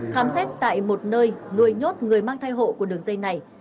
khám xét tại một nơi nuôi nhốt người mang thai hộ của đường dây này